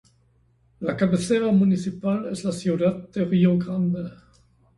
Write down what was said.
La cabecera municipal es la Ciudad de Río Grande.